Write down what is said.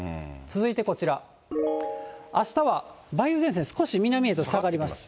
続いてこちら、あしたは梅雨前線、少し南へと下がります。